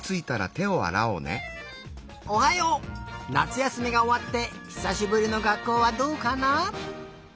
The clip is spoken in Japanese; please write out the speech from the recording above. なつやすみがおわってひさしぶりの学校はどうかな？